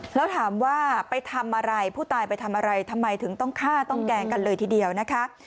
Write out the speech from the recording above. แล้วถามว่าไปทำอะไรผู้ตายไปทำอะไรทำไมถึงต้องฆ่าต้องแกล้งกันเลยทีเดียวนะคะ